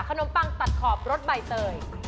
ปังตัดขอบรสใบเตย